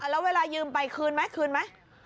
แล้วเวลายืมไปคืนไหม